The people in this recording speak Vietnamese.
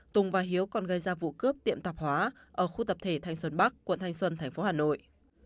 tùng và hiếu còn gây ra vụ cướp tiệm tạp hóa ở khu tập thể thanh xuân bắc quận thanh xuân tp hà nội